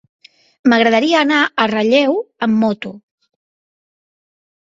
M'agradaria anar a Relleu amb moto.